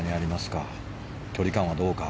距離感はどうか。